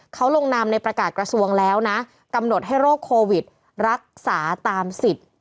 เขาลงนามในประกาศกระทรวงแล้วนะกำหนดให้โรคโควิดรักษาตามสิทธิ์